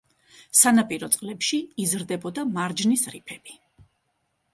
სანაპირო წყლებში იზრდებოდა მარჯნის რიფები.